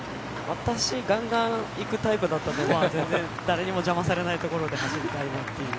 私ガンガン行くタイプだったので全然誰にも邪魔されないところで走りたいなっていう。